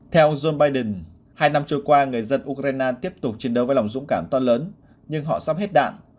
theo joe biden hai năm trôi qua người dân ukraine tiếp tục chiến đấu với lòng dũng cảm to lớn nhưng họ sắp hết đạn